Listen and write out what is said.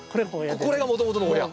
これがもともとの親。